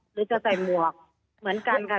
หรือจะใส่หมวกเหมือนกันค่ะ